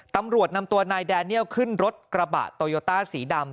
ตำรวจนำตัวนายแดเนียลขึ้นรถกระบะโตโยต้าสีดำ